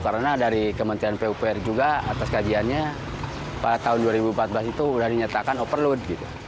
karena dari kementerian pupr juga atas kajiannya pada tahun dua ribu empat belas itu sudah dinyatakan overload